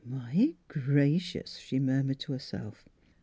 "My gracious!" she murmured to herself.